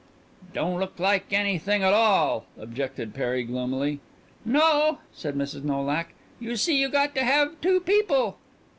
"Don't look like anything at all," objected Perry gloomily. "No," said Mrs. Nolak; "you see you got to have two people."